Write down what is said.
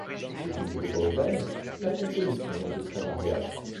Sous les ducs de Bretagne, la composition était très variable.